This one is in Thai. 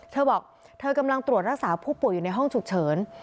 เธอบอกเธอกำลังตรวจรักษาผู้ป่วยอยู่ในห้องฉุกเฉิน